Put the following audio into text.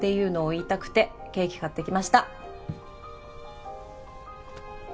言いたくてケーキ買ってきました